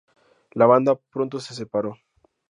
La banda pronto se separó.